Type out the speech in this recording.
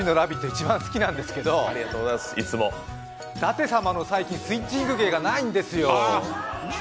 一番好きなんですけど、舘様の最近スイッチング芸がないんですよ。